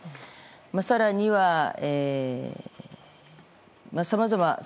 更には、さまざま。